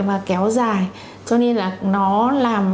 và kéo ra đến các cái bệnh lý khớp này